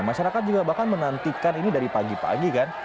masyarakat juga bahkan menantikan ini dari pagi pagi kan